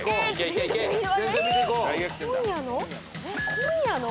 今夜の？